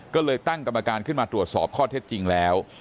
ก็เลยตั้งกรรมการขึ้นมาตรวจสอบข้อเท็จจริงแล้ว